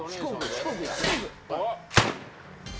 四国。